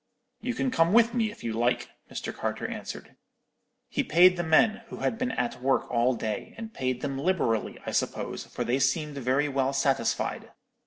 You can come with me, if you like,' Mr. Carter answered. "He paid the men, who had been at work all day, and paid them liberally, I suppose, for they seemed very well satisfied.